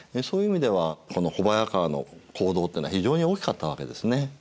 そういう意味ではこの小早川の行動というのは非常に大きかったわけですね。